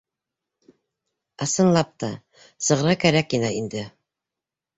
Ысынлап та, сығырға кәрәк ине инде.